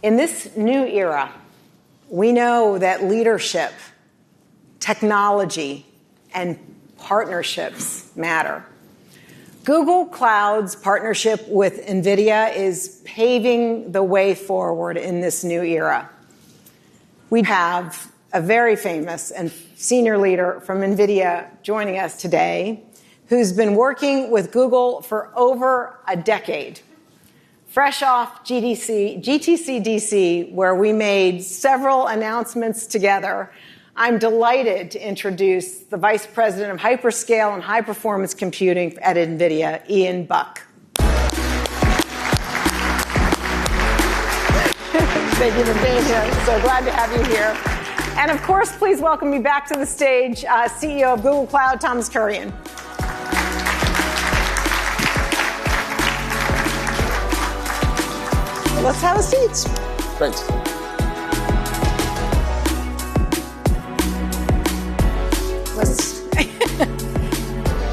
In this new era, we know that leadership, technology, and partnerships matter. Google Cloud's partnership with NVIDIA is paving the way forward in this new era. We have a very famous and senior leader from NVIDIA joining us today, who's been working with Google for over a decade. Fresh off GTC DC, where we made several announcements together, I'm delighted to introduce the Vice President of Hyperscale and High-Performance Computing at NVIDIA, Ian Buck. Thank you, NVIDIA. So glad to have you here. And of course, please welcome me back to the stage, CEO of Google Cloud, Thomas Kurian. Let's have a seat. Thanks.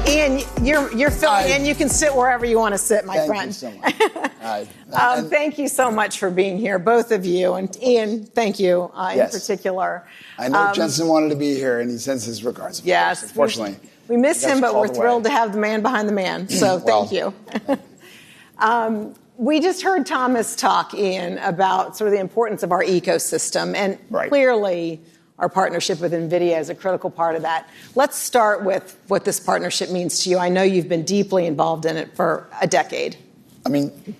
Ian, you're filling in. You can sit wherever you want to sit, my friend. Thank you so much. Thank you so much for being here, both of you, and Ian, thank you in particular. I know Jensen wanted to be here, and he sends his regards. Yes. Unfortunately. We miss him, but we're thrilled to have the man behind the man, so thank you. We just heard Thomas talk, Ian, about sort of the importance of our ecosystem, and clearly, our partnership with NVIDIA is a critical part of that. Let's start with what this partnership means to you. I know you've been deeply involved in it for a decade. I mean,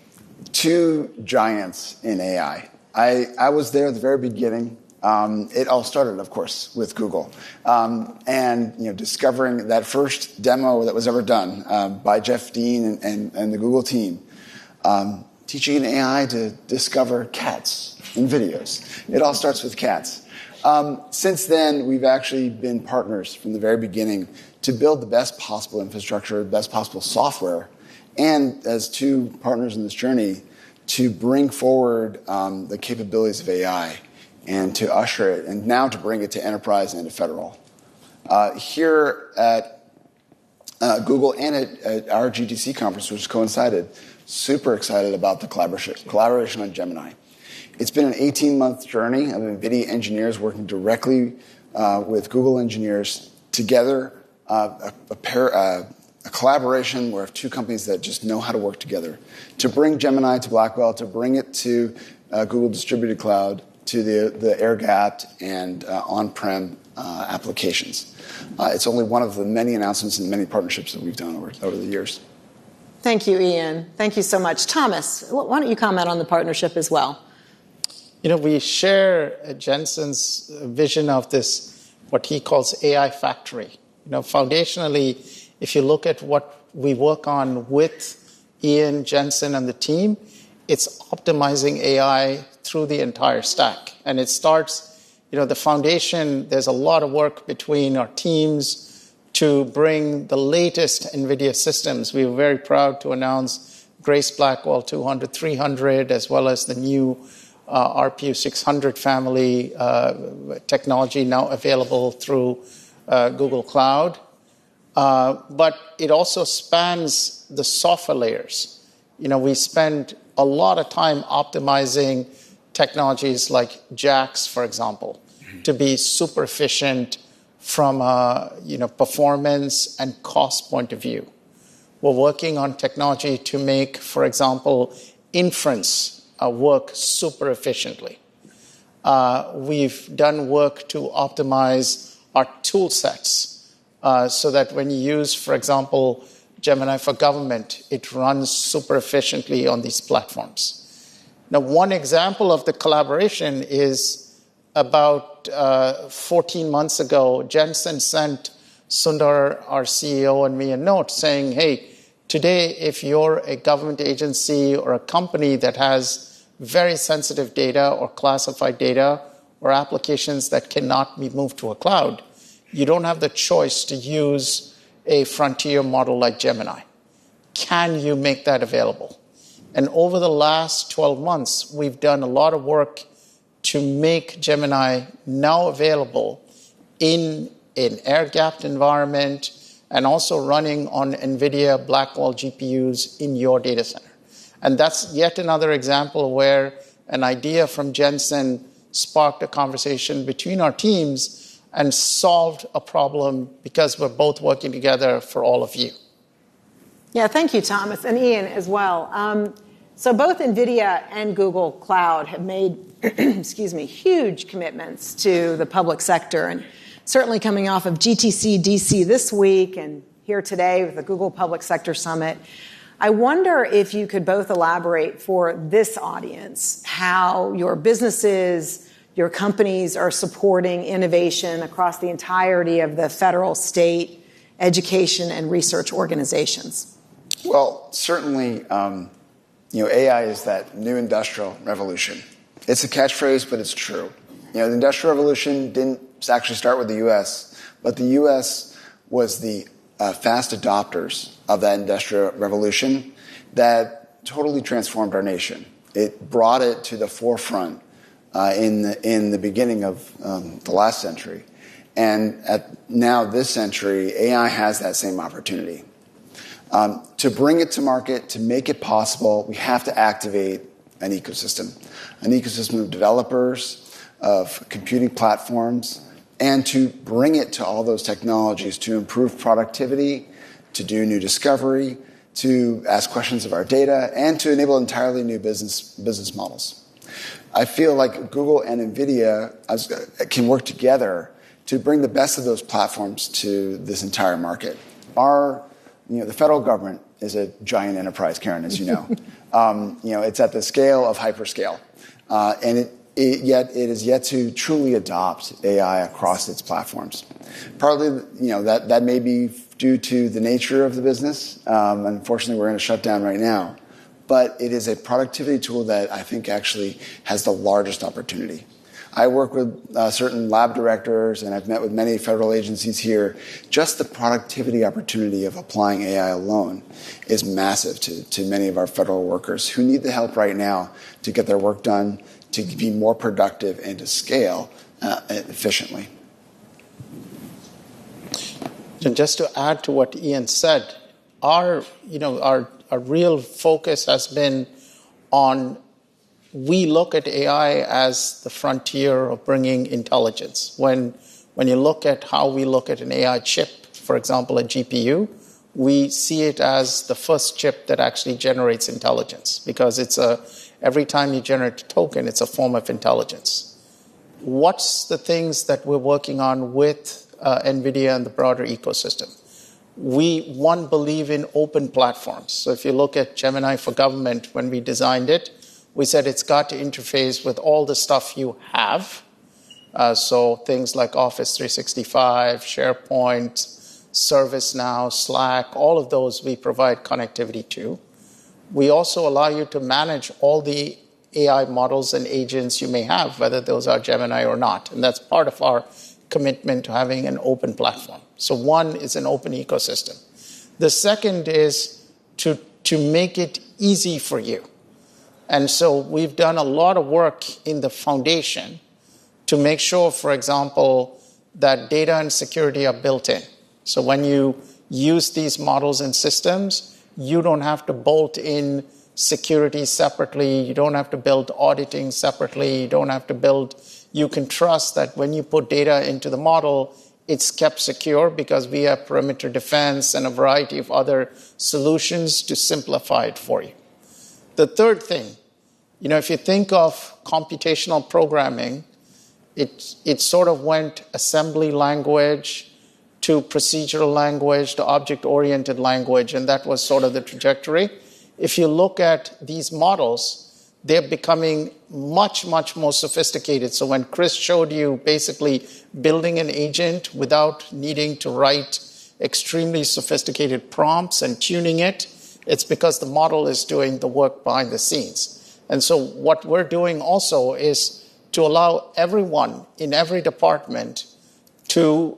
two giants in AI. I was there at the very beginning. It all started, of course, with Google and discovering that first demo that was ever done by Jeff Dean and the Google team, teaching AI to discover cats in videos. It all starts with cats. Since then, we've actually been partners from the very beginning to build the best possible infrastructure, best possible software. And as two partners in this journey to bring forward the capabilities of AI and to usher it, and now to bring it to enterprise and to federal. Here at Google and at our GTC conference, which coincided, super excited about the collaboration on Gemini. It's been an 18-month journey of NVIDIA engineers working directly with Google engineers together, a collaboration where two companies that just know how to work together to bring Gemini to Blackwell, to bring it to Google Distributed Cloud, to the air-gapped and on-prem applications. It's only one of the many announcements and many partnerships that we've done over the years. Thank you, Ian. Thank you so much. Thomas, why don't you comment on the partnership as well? You know, we share Jensen's vision of this, what he calls AI Factory. Foundationally, if you look at what we work on with Ian, Jensen, and the team, it's optimizing AI through the entire stack, and it starts the foundation. There's a lot of work between our teams to bring the latest NVIDIA systems. We are very proud to announce Grace Blackwell 200, 300, as well as the new RPU 600 family technology now available through Google Cloud, but it also spans the software layers. We spend a lot of time optimizing technologies like JAX, for example, to be super efficient from a performance and cost point of view. We're working on technology to make, for example, inference work super efficiently. We've done work to optimize our tool sets so that when you use, for example, Gemini for Government, it runs super efficiently on these platforms. Now, one example of the collaboration is about 14 months ago, Jensen sent Sundar, our CEO, and me a note saying, "Hey, today, if you're a government agency or a company that has very sensitive data or classified data or applications that cannot be moved to a cloud, you don't have the choice to use a frontier model like Gemini. Can you make that available?" And over the last 12 months, we've done a lot of work to make Gemini now available in an air-gapped environment and also running on NVIDIA Blackwell GPUs in your data center. And that's yet another example where an idea from Jensen sparked a conversation between our teams and solved a problem because we're both working together for all of you. Yeah, thank you, Thomas. And Ian as well. So both NVIDIA and Google Cloud have made, excuse me, huge commitments to the public sector. And certainly coming off of GTC DC this week and here today with the Google Public Sector Summit, I wonder if you could both elaborate for this audience how your businesses, your companies are supporting innovation across the entirety of the federal, state, education, and research organizations. Certainly, AI is that new industrial revolution. It's a catchphrase, but it's true. The Industrial Revolution didn't actually start with the U.S., but the U.S. was the fast adopters of that Industrial Revolution that totally transformed our nation. It brought it to the forefront in the beginning of the last century, and now this century, AI has that same opportunity. To bring it to market, to make it possible, we have to activate an ecosystem, an ecosystem of developers, of computing platforms, and to bring it to all those technologies to improve productivity, to do new discovery, to ask questions of our data, and to enable entirely new business models. I feel like Google and NVIDIA can work together to bring the best of those platforms to this entire market. Our federal government is a giant enterprise, Karen, as you know. It's at the scale of hyperscale. And yet it is yet to truly adopt AI across its platforms. Partly, that may be due to the nature of the business. Unfortunately, we're going to shut down right now. But it is a productivity tool that I think actually has the largest opportunity. I work with certain lab directors, and I've met with many federal agencies here. Just the productivity opportunity of applying AI alone is massive to many of our federal workers who need the help right now to get their work done, to be more productive, and to scale efficiently. And just to add to what Ian said, our real focus has been on we look at AI as the frontier of bringing intelligence. When you look at how we look at an AI chip, for example, a GPU, we see it as the first chip that actually generates intelligence because every time you generate a token, it's a form of intelligence. What's the things that we're working on with NVIDIA and the broader ecosystem? We believe in open platforms. So if you look at Gemini for Government, when we designed it, we said it's got to interface with all the stuff you have. So things like Office 365, SharePoint, ServiceNow, Slack, all of those we provide connectivity to. We also allow you to manage all the AI models and agents you may have, whether those are Gemini or not. That's part of our commitment to having an open platform. One is an open ecosystem. The second is to make it easy for you. So we've done a lot of work in the foundation to make sure, for example, that data and security are built in. When you use these models and systems, you don't have to bolt in security separately. You don't have to build auditing separately. You don't have to build. You can trust that when you put data into the model, it's kept secure because we have perimeter defense and a variety of other solutions to simplify it for you. The third thing, if you think of computational programming, it sort of went assembly language to procedural language to object-oriented language. That was sort of the trajectory. If you look at these models, they're becoming much, much more sophisticated. So when Chris showed you basically building an agent without needing to write extremely sophisticated prompts and tuning it, it's because the model is doing the work behind the scenes. And so what we're doing also is to allow everyone in every department to,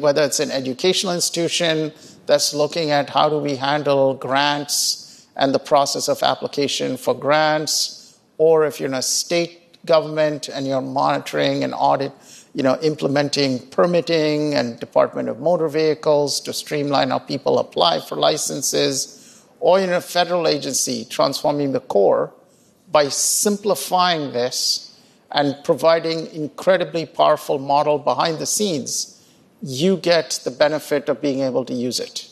whether it's an educational institution that's looking at how do we handle grants and the process of application for grants, or if you're in a state government and you're monitoring and auditing, implementing permitting and Department of Motor Vehicles to streamline how people apply for licenses, or in a federal agency transforming the core. By simplifying this and providing an incredibly powerful model behind the scenes, you get the benefit of being able to use it.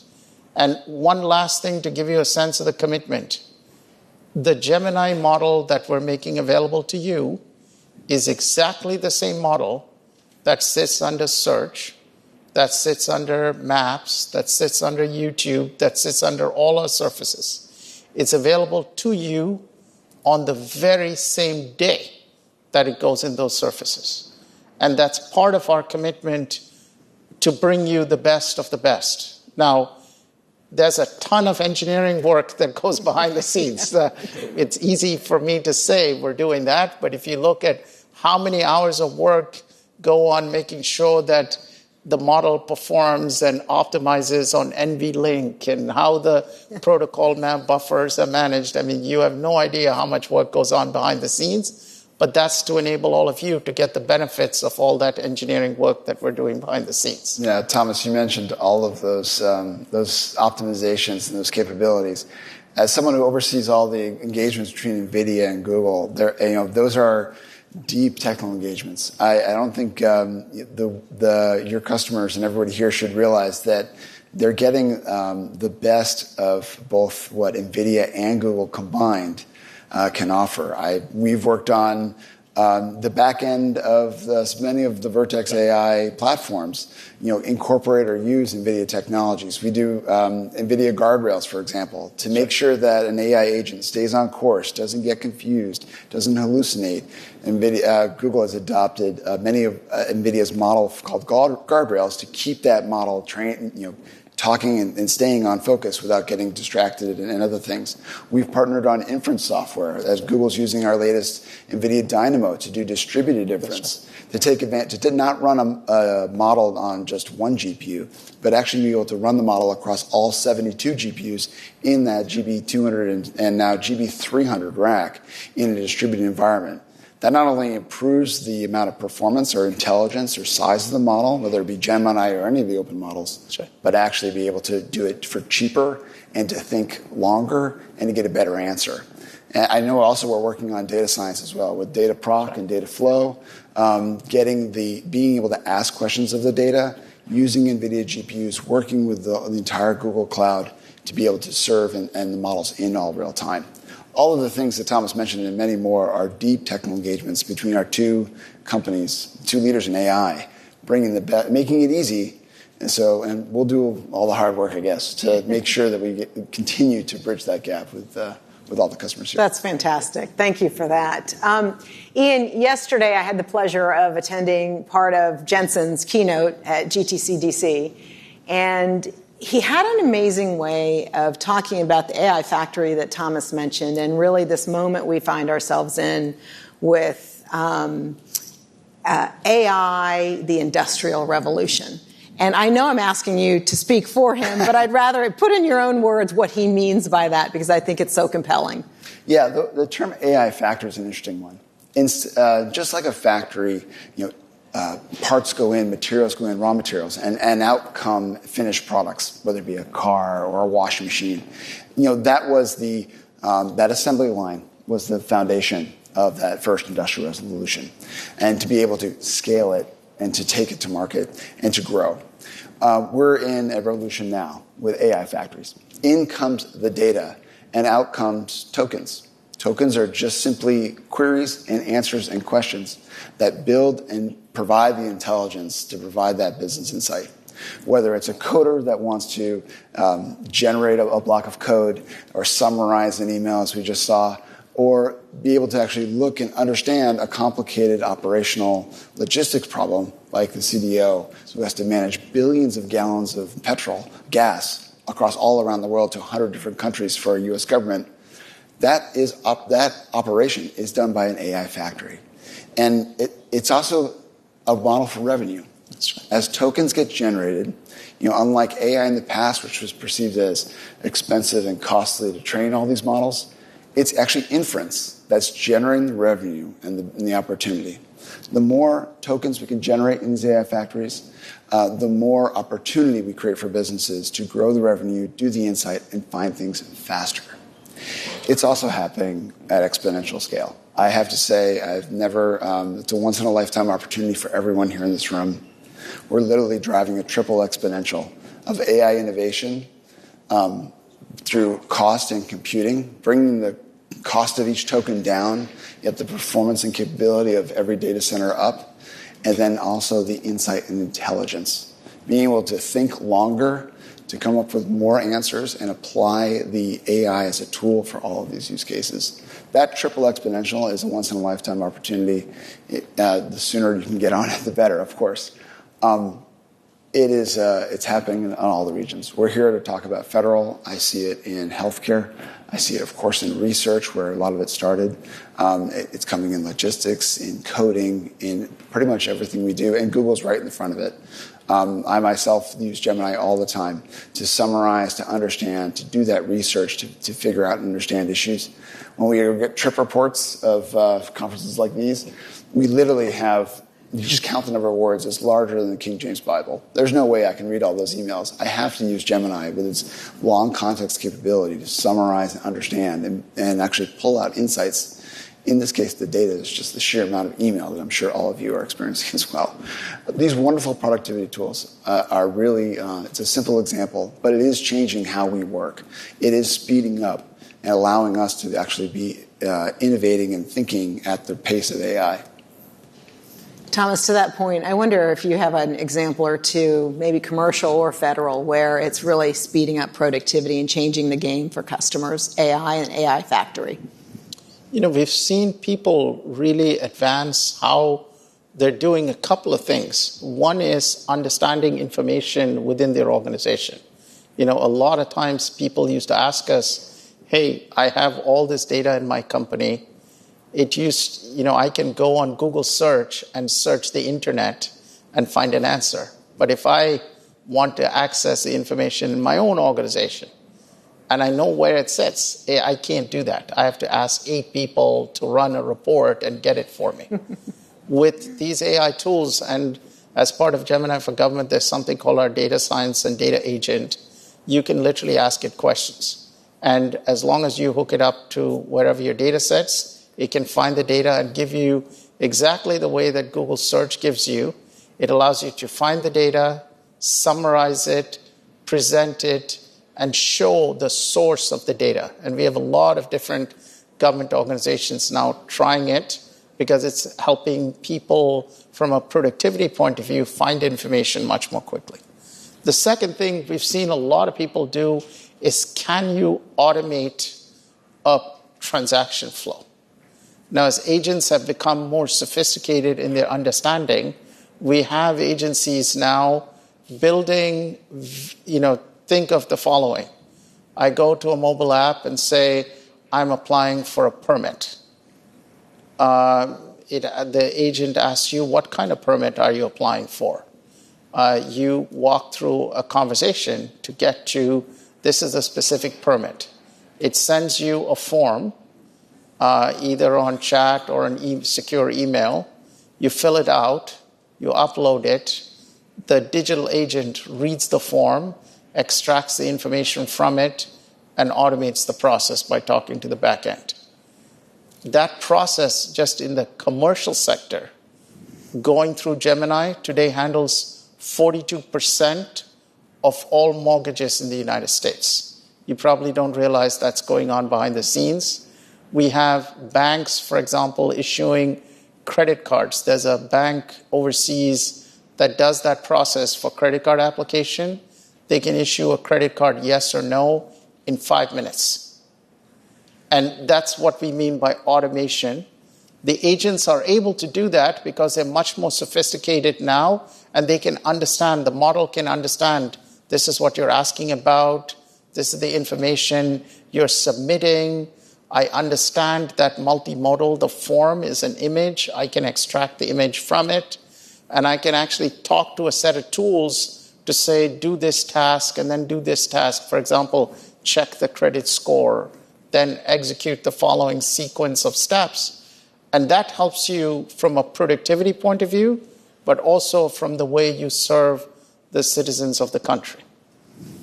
And one last thing to give you a sense of the commitment. The Gemini model that we're making available to you is exactly the same model that sits under Search, that sits under Maps, that sits under YouTube, that sits under all our surfaces. It's available to you on the very same day that it goes in those surfaces, and that's part of our commitment to bring you the best of the best. Now, there's a ton of engineering work that goes behind the scenes. It's easy for me to say we're doing that, but if you look at how many hours of work go on making sure that the model performs and optimizes on NVLink and how the Protocol Buffers are managed, I mean, you have no idea how much work goes on behind the scenes, but that's to enable all of you to get the benefits of all that engineering work that we're doing behind the scenes. Yeah, Thomas, you mentioned all of those optimizations and those capabilities. As someone who oversees all the engagements between NVIDIA and Google, those are deep technical engagements. I don't think your customers and everybody here should realize that they're getting the best of both what NVIDIA and Google combined can offer. We've worked on the back end of many of the Vertex AI platforms incorporate or use NVIDIA technologies. We do NVIDIA Guardrails, for example, to make sure that an AI agent stays on course, doesn't get confused, doesn't hallucinate. Google has adopted many of NVIDIA's models called Guardrails to keep that model talking and staying on focus without getting distracted and other things. We've partnered on inference software as Google's using our latest NVIDIA Dynamo to do distributed inference, to take advantage to not run a model on just one GPU, but actually be able to run the model across all 72 GPUs in that GB200 and now GB300 rack in a distributed environment. That not only improves the amount of performance or intelligence or size of the model, whether it be Gemini or any of the open models, but actually be able to do it for cheaper and to think longer and to get a better answer. I know also we're working on data science as well with Dataproc and Dataflow, getting to be able to ask questions of the data, using NVIDIA GPUs, working with the entire Google Cloud to be able to serve the models in real time. All of the things that Thomas mentioned and many more are deep technical engagements between our two companies, two leaders in AI, making it easy, and we'll do all the hard work, I guess, to make sure that we continue to bridge that gap with all the customers here. That's fantastic. Thank you for that. Ian, yesterday I had the pleasure of attending part of Jensen's keynote at GTC DC, and he had an amazing way of talking about the AI factory that Thomas mentioned and really this moment we find ourselves in with AI, the Industrial Revolution, and I know I'm asking you to speak for him, but I'd rather put in your own words what he means by that because I think it's so compelling. Yeah, the term AI factory is an interesting one. Just like a factory, parts go in, materials go in, raw materials, and out come finished products, whether it be a car or a washing machine. That assembly line was the foundation of that first Industrial Revolution and to be able to scale it and to take it to market and to grow. We're in a revolution now with AI factories. In comes the data and out comes tokens. Tokens are just simply queries and answers and questions that build and provide the intelligence to provide that business insight. Whether it's a coder that wants to generate a block of code or summarize an email, as we just saw, or be able to actually look and understand a complicated operational logistics problem like the CDO, who has to manage billions of gallons of petrol, gas across all around the world to 100 different countries for a U.S. government, that operation is done by an AI factory. And it's also a model for revenue. As tokens get generated, unlike AI in the past, which was perceived as expensive and costly to train all these models, it's actually inference that's generating the revenue and the opportunity. The more tokens we can generate in these AI factories, the more opportunity we create for businesses to grow the revenue, do the insight, and find things faster. It's also happening at exponential scale. I have to say, it's a once-in-a-lifetime opportunity for everyone here in this room. We're literally driving a triple exponential of AI innovation through cost and computing, bringing the cost of each token down, yet the performance and capability of every data center up, and then also the insight and intelligence. Being able to think longer, to come up with more answers, and apply the AI as a tool for all of these use cases. That triple exponential is a once-in-a-lifetime opportunity. The sooner you can get on it, the better, of course. It's happening in all the regions. We're here to talk about federal. I see it in healthcare. I see it, of course, in research, where a lot of it started. It's coming in logistics, in coding, in pretty much everything we do, and Google's right in front of it. I myself use Gemini all the time to summarize, to understand, to do that research, to figure out and understand issues. When we get trip reports of conferences like these, we literally have, you just count the number of words, it's larger than the King James Bible. There's no way I can read all those emails. I have to use Gemini with its long context capability to summarize and understand and actually pull out insights. In this case, the data is just the sheer amount of email that I'm sure all of you are experiencing as well. These wonderful productivity tools are really, it's a simple example, but it is changing how we work. It is speeding up and allowing us to actually be innovating and thinking at the pace of AI. Thomas, to that point, I wonder if you have an example or two, maybe commercial or federal, where it's really speeding up productivity and changing the game for customers, AI and AI factory? You know. We've seen people really advance how they're doing a couple of things. One is understanding information within their organization. A lot of times, people used to ask us, hey, I have all this data in my company. I can go on Google Search and search the internet and find an answer. But if I want to access the information in my own organization and I know where it sits, I can't do that. I have to ask eight people to run a report and get it for me. With these AI tools and as part of Gemini for Government, there's something called our data science and data agent. You can literally ask it questions, and as long as you hook it up to wherever your data sits, it can find the data and give you exactly the way that Google Search gives you. It allows you to find the data, summarize it, present it, and show the source of the data. And we have a lot of different government organizations now trying it because it's helping people from a productivity point of view find information much more quickly. The second thing we've seen a lot of people do is, can you automate a transaction flow? Now, as agents have become more sophisticated in their understanding, we have agencies now building. Think of the following. I go to a mobile app and say, "I'm applying for a permit." The agent asks you, "What kind of permit are you applying for?" You walk through a conversation to get to, "this is a specific permit." It sends you a form either on chat or in a secure email. You fill it out. You upload it. The digital agent reads the form, extracts the information from it, and automates the process by talking to the back end. That process, just in the commercial sector, going through Gemini today handles 42% of all mortgages in the United States. You probably don't realize that's going on behind the scenes. We have banks, for example, issuing credit cards. There's a bank overseas that does that process for credit card application. They can issue a credit card yes or no in five minutes, and that's what we mean by automation. The agents are able to do that because they're much more sophisticated now, and they can understand. The model can understand, this is what you're asking about. This is the information you're submitting. I understand that multimodal, the form is an image. I can extract the image from it. And I can actually talk to a set of tools to say, do this task and then do this task. For example, check the credit score, then execute the following sequence of steps. And that helps you from a productivity point of view, but also from the way you serve the citizens of the country.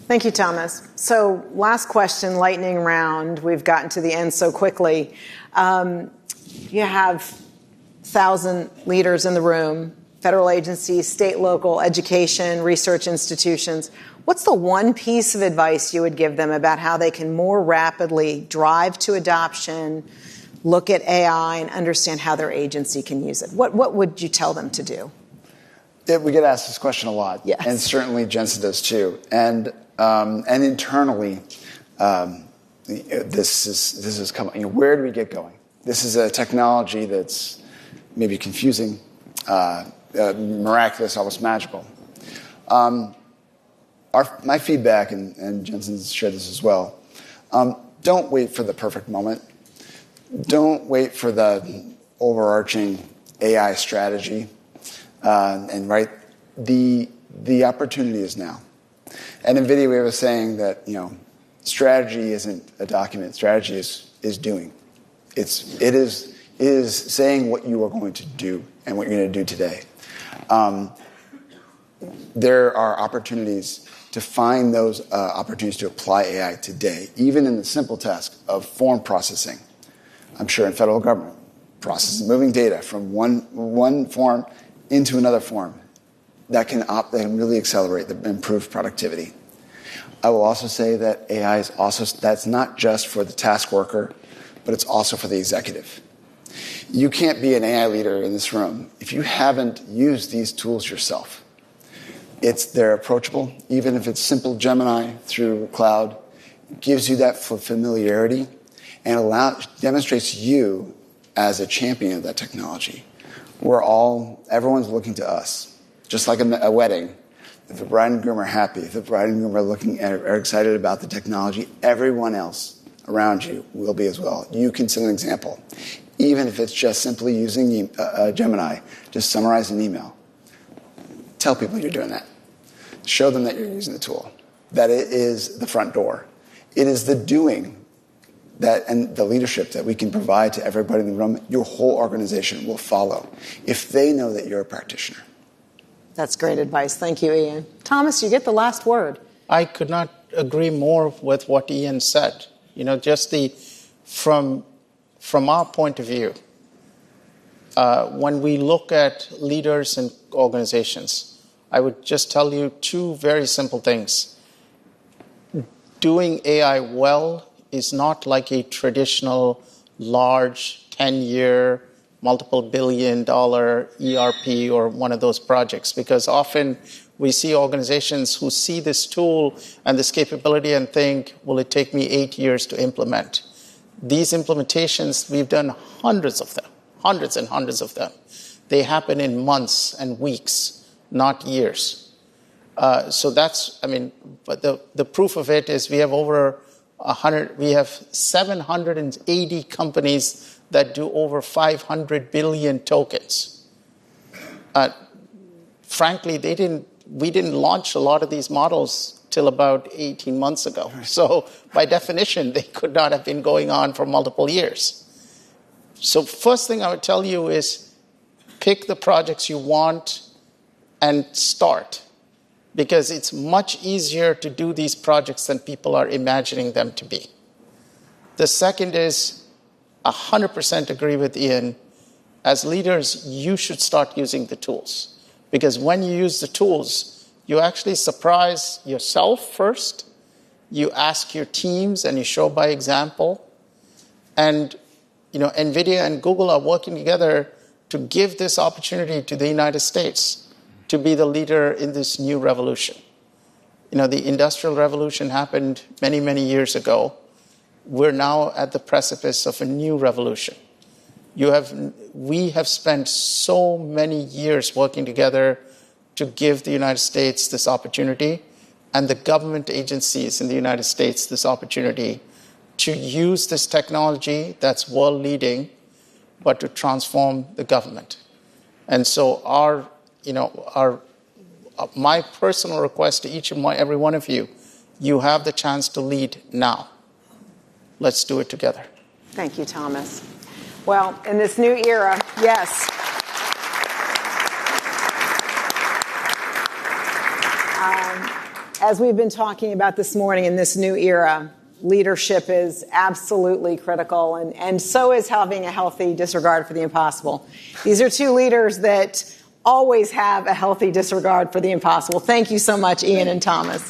Thank you, Thomas. So last question, lightning round. We've gotten to the end so quickly. You have 1,000 leaders in the room, federal agencies, state, local, education, research institutions. What's the one piece of advice you would give them about how they can more rapidly drive to adoption, look at AI, and understand how their agency can use it? What would you tell them to do? We get asked this question a lot. Yes. Certainly, Jensen does too. Internally, this is coming. Where do we get going? This is a technology that's maybe confusing, miraculous, almost magical. My feedback, and Jensen shared this as well, don't wait for the perfect moment. Don't wait for the overarching AI strategy. Right, the opportunity is now. At NVIDIA, we were saying that strategy isn't a document. Strategy is doing. It is saying what you are going to do and what you're going to do today. There are opportunities to find those opportunities to apply AI today, even in the simple task of form processing. I'm sure in federal government, processing moving data from one form into another form that can really accelerate the improved productivity. I will also say that AI is also. That's not just for the task worker, but it's also for the executive. You can't be an AI leader in this room if you haven't used these tools yourself. They're approachable, even if it's simple Gemini through Cloud. It gives you that familiarity and demonstrates you as a champion of that technology. Everyone's looking to us, just like a wedding. If the bride and groom are happy, if the bride and groom are looking and are excited about the technology, everyone else around you will be as well. You can set an example, even if it's just simply using Gemini to summarize an email. Tell people you're doing that. Show them that you're using the tool, that it is the front door. It is the doing and the leadership that we can provide to everybody in the room. Your whole organization will follow if they know that you're a practitioner. That's great advice. Thank you, Ian. Thomas, you get the last word. I could not agree more with what Ian said. Just from our point of view, when we look at leaders and organizations, I would just tell you two very simple things. Doing AI well is not like a traditional large, 10-year, multiple billion-dollar ERP or one of those projects. Because often we see organizations who see this tool and this capability and think, will it take me eight years to implement? These implementations, we've done hundreds of them, hundreds and hundreds of them. They happen in months and weeks, not years. So that's, I mean, the proof of it is we have over 100, we have 780 companies that do over 500 billion tokens. Frankly, we didn't launch a lot of these models till about 18 months ago. So by definition, they could not have been going on for multiple years. So first thing I would tell you is pick the projects you want and start. Because it's much easier to do these projects than people are imagining them to be. The second is, 100% agree with Ian. As leaders, you should start using the tools. Because when you use the tools, you actually surprise yourself first. You ask your teams and you show by example. And NVIDIA and Google are working together to give this opportunity to the United States to be the leader in this new revolution. The Industrial Revolution happened many, many years ago. We're now at the precipice of a new revolution. We have spent so many years working together to give the United States this opportunity and the government agencies in the United States this opportunity to use this technology that's world-leading, but to transform the government. And so my personal request to each and every one of you, you have the chance to lead now. Let's do it together. Thank you, Thomas. In this new era, yes. As we've been talking about this morning in this new era, leadership is absolutely critical. And so is having a healthy disregard for the impossible. These are two leaders that always have a healthy disregard for the impossible. Thank you so much, Ian and Thomas.